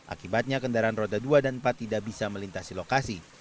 akibatnya kendaraan roda dua dan empat tidak bisa melintasi lokasi